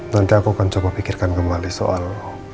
nanti aku akan coba pikirkan kembali soal